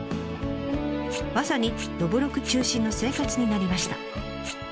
まさにどぶろく中心の生活になりました。